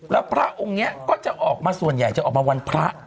แล้วพระองค์นี้ก็จะออกมาส่วนใหญ่จะออกมาวันพระ